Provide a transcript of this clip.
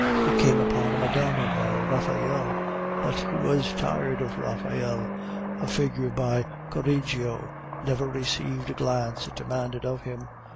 He came upon a Madonna by Raphael, but he was tired of Raphael; a figure by Correggio never received the glance it demanded of him.